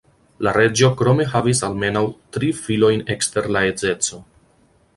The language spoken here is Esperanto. La reĝo krome havis almenaŭ tri filojn ekster la edzeco.